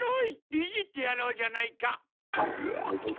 いじってやろうじゃないか。